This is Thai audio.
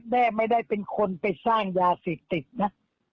แม่ไม่ได้เป็นคนไปสร้างยาเสพติดนะ